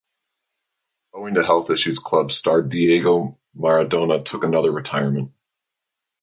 Owing to health issues club star Diego Maradona took another retirement.